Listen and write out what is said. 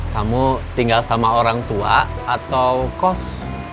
kamu tinggal sama orang tua atau kos